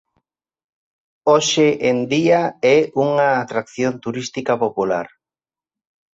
Hoxe en día é unha atracción turística popular.